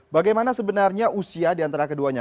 bagaimana sebenarnya usia di antara keduanya